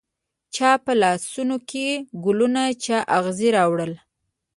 چا په لاسونوکې ګلونه، چااغزي راوړله